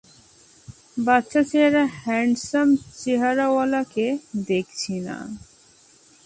বাচ্চা চেহারা, হ্যান্ডসাম চেহারাওয়ালাকে দেখছি না।